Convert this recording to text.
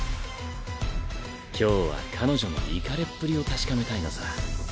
今日は彼女のイカれっぷりを確かめたいのさ。